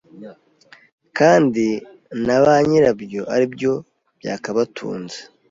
kandi na ba nyirabyo aribyo byakabatunze